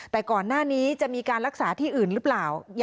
แต่ก่อนหน้านี้จะมีการรักษาที่อื่นหรือเปล่า